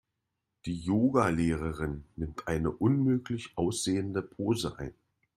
Die Yoga-Lehrerin nimmt eine unmöglich aussehende Pose ein.